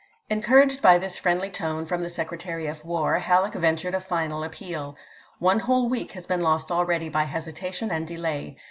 Encouraged by this friendly tone from the Sec retary of War, Halleck ventured a final appeal: "One whole week has been lost already by hesi tation and delay.